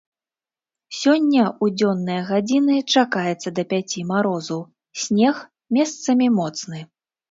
Сёння ў дзённыя гадзіны чакаецца да пяці марозу, снег, месцамі моцны.